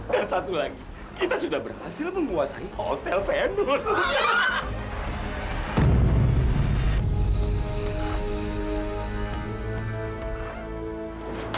dan satu lagi kita sudah berhasil menguasai hotel venom